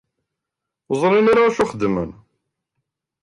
Ur ẓrin ara d acu i xedmen?